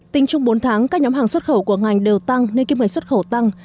tính chung bốn tháng các nhóm hàng xuất khẩu của ngành đều tăng nên kim ngạch xuất khẩu tăng